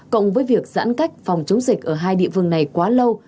cộng với việc giãn cách phòng chống dịch ở hai địa phương này quá lâu